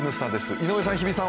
井上さん、日比さん